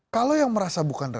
kalau yang merasa bukan